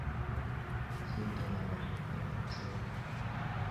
Yelkalari pir-pir uchdi.